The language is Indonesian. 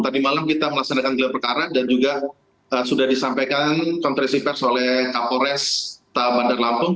tadi malam kita melaksanakan gelap perkara dan juga sudah disampaikan kontrasipers oleh kapolres ta bandar lampung